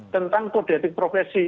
tentang kodeatik profesi